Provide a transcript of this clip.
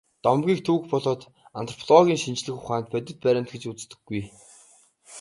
Домгийг түүх болоод антропологийн шинжлэх ухаанд бодит баримт гэж үздэггүй.